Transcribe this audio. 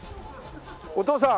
お父さん。